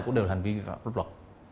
cũng đều là hành vi vi phạm lúc lọt